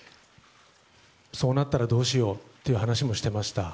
そうなったらどうしようという話もしてました。